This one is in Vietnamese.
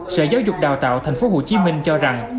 sở giáo dục đào tạo tp hcm cho rằng